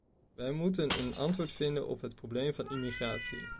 Wij moeten een antwoord vinden op het probleem van de immigratie.